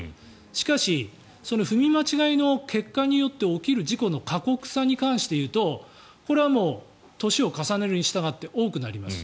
しかし、その踏み間違いの結果によって起きる事故の過酷さに関して言うとこれは年を重ねるにしたがって多くなります。